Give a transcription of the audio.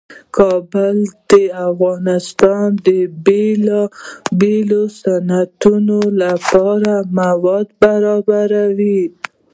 کابل د افغانستان د بیلابیلو صنعتونو لپاره مواد برابروي.